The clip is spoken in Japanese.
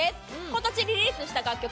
今年リリースした楽曲